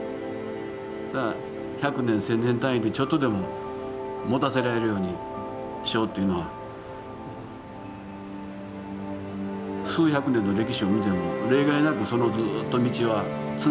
だから百年千年単位でちょっとでももたせられるようにしようというのは数百年の歴史を見ても例外なくそのずっと道はつながってるわけやから。